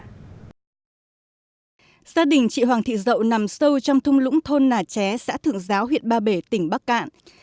gia đình chị hoàng thị dậu nằm sâu trong thung lũng thôn nà ché xã thượng giáo huyện ba bể tỉnh bắc cạn